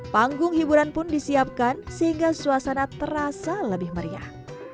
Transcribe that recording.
panggung hiburan pun disiapkan sehingga suasana terasa lebih meriah